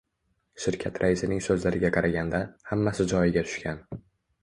Shirkat raisining soʻzlariga qaraganda, hammasi joyiga tushgan.